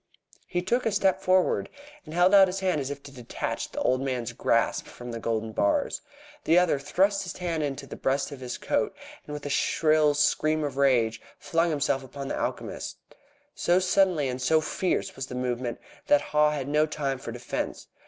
He took a step forward, and held out his hand as if to detach the old man's grasp from the golden bars. The other thrust his hand into the breast of his coat, and with a shrill scream of rage flung himself upon the alchemist. So sudden and so fierce was the movement that Haw had no time for defence.